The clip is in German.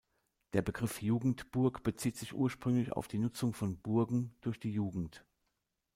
Der Begriff "Jugendburg" bezieht sich ursprünglich auf die Nutzung von "Burgen" durch die "Jugend".